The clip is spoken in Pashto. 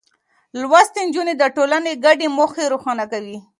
لوستې نجونې د ټولنې ګډې موخې روښانه کوي.